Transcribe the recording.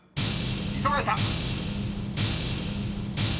［磯貝さん］